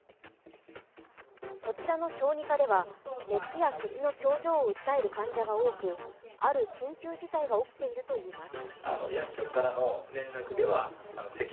こちらの小児科では、熱やせきの症状を訴える患者が多く、ある緊急事態が起きているといいます。